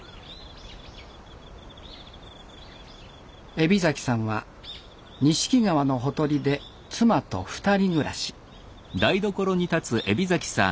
海老さんは錦川のほとりで妻と２人暮らし。